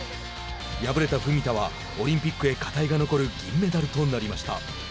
敗れた文田はオリンピックへ課題が残る銀メダルとなりました。